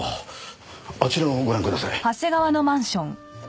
あちらをご覧ください。